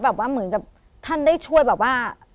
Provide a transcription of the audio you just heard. แบบว่าเหมือนท่านได้ช่วยแบบว่า